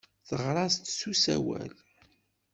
Teɣra-as-d s usawal.